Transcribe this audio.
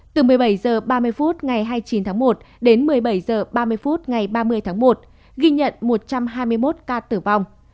từ một mươi bảy h ba mươi phút ngày hai mươi chín tháng một đến một mươi bảy h ba mươi phút ngày ba mươi tháng một ghi nhận một trăm hai mươi một ca tử vong